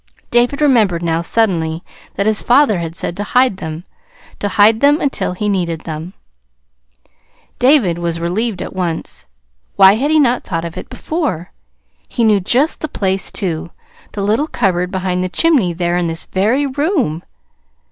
David remembered now, suddenly, that his father had said to hide them to hide them until he needed them. David was relieved at once. Why had he not thought of it before? He knew just the place, too, the little cupboard behind the chimney there in this very room!